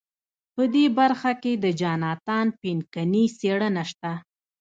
په دې برخه کې د جاناتان پینکني څېړنه شته.